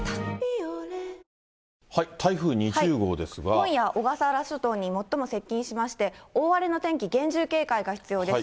今夜、小笠原諸島に最も接近しまして、大荒れの天気、厳重警戒が必要です。